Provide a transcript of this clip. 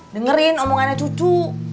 dengerin omongannya cucu